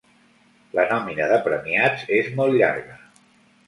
La nòmina de premiats és molt llarga.